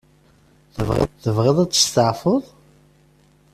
Tebɣiḍ ad testeεfuḍ?